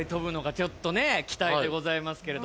ちょっとね期待でございますけれど。